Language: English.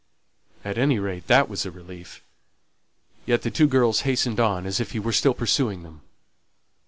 At any rate that was a relief. Yet the two girls hastened on, as if he was still pursuing them.